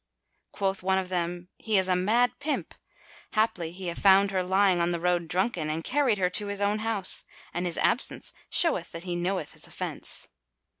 Quoth one of them, "He is a mad pimp; haply he found her lying on the road drunken, and carried her to his own house, and his absence showeth that he knoweth his offence."